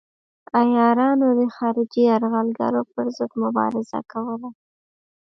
عیارانو د خارجي یرغلګرو پر ضد مبارزه کوله.